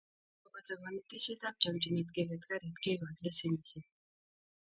Ngopata konetisietab chomchinet keget garit kekoch lesenisiek